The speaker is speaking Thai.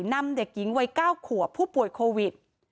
นำเด็กหญิงวัย๙ขวบผู้ป่วยโควิด